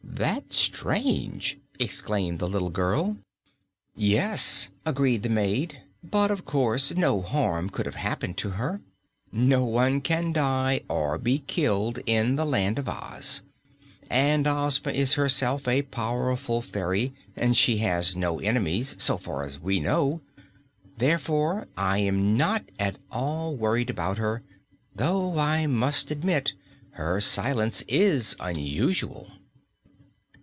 "That's strange!" exclaimed the little girl. "Yes," agreed the maid, "but of course no harm could have happened to her. No one can die or be killed in the Land of Oz, and Ozma is herself a powerful fairy, and she has no enemies so far as we know. Therefore I am not at all worried about her, though I must admit her silence is unusual."